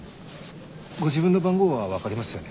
ご自分の番号は分かりますよね？